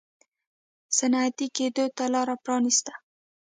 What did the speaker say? صنعتي کېدو ته لار پرانېسته.